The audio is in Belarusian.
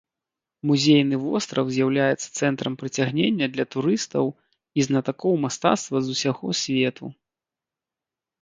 Музейны востраў з'яўляецца цэнтрам прыцягнення для турыстаў і знатакоў мастацтва з усяго свету.